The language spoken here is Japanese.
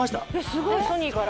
すごいソニーから？